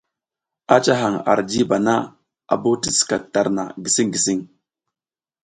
A ca hang ar jiba na, a bo ti skat tarna gising gising.